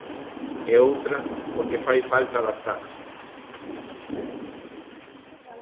E outra, porque fai falta adaptarse.